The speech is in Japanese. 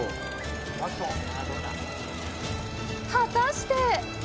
果たして。